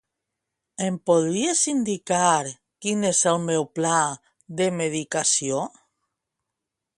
Em podries indicar quin és el meu pla de medicació?